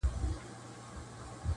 • او ویډیوګاني خپرې سوې -